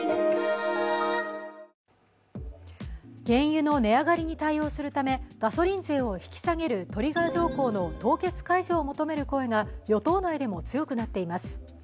原油の値上がりに対応するためガソリン税を引き下げるトリガー条項の凍結解除を求める声が与党内でも強くなっています。